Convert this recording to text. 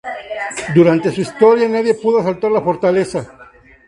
Durante su historia nadie pudo asaltar la fortaleza.